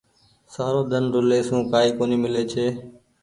سارو ۮن رولي سون ڪآئي ڪونيٚ ميلي ڇي۔